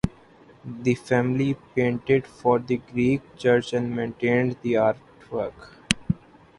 The family painted for the Greek church and maintained the artwork.